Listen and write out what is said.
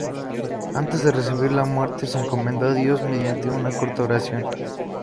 Antes de recibir la muerte, se encomendó a Dios mediante una corta oración.